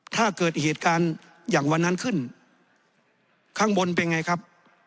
ถ้าเกิดเหตุการณ์อย่างวันนั้นขึ้นข้างบนเป็นไงครับ